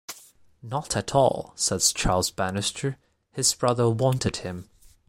"Not at all," said Charles Bannister, "His brother wanted him".